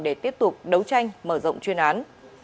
để tiếp tục đấu tranh mở rộng chuyên án